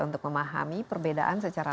untuk memahami perbedaan secara